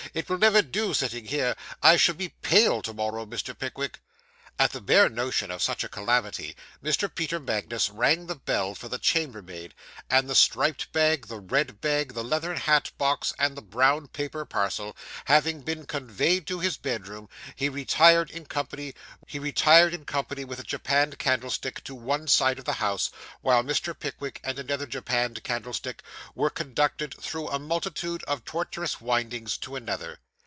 It will never do, sitting here. I shall be pale to morrow, Mr. Pickwick.' At the bare notion of such a calamity, Mr. Peter Magnus rang the bell for the chambermaid; and the striped bag, the red bag, the leathern hat box, and the brown paper parcel, having been conveyed to his bedroom, he retired in company with a japanned candlestick, to one side of the house, while Mr. Pickwick, and another japanned candlestick, were conducted through a multitude of tortuous windings, to another.